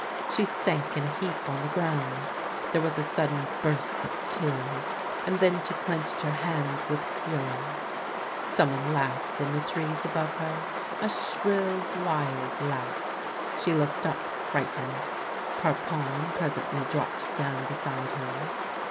She sank in a heap on the ground. There was a sudden burst of tears, and then she clenched her hands v/ith fury. Some one laughed in the trees above her — a shrill, wild laugh. She looked up frightened. Parpon presently dropped down beside her.